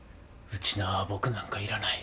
ウチナーは僕なんかいらない。